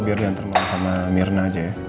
biar diantar main sama mirna aja ya